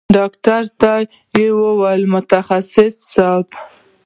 ډاکتر ته يې وويل متخصص صايب.